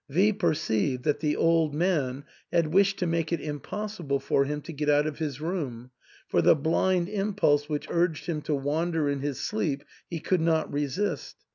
V perceived that the old man had wished to make it im possible for him to get out of his room ; for the blind impulse which urged him to wander in his sleep he could not resist.